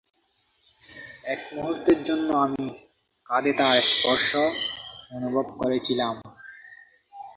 এক মুহূর্তের জন্য আমি কাঁধে তার স্পর্শ অনুভব করেছিলাম।